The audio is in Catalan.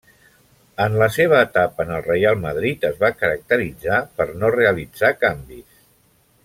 En la seva etapa en el Reial Madrid, es va caracteritzar per no realitzar canvis.